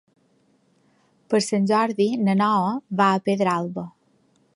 Per Sant Jordi na Noa va a Pedralba.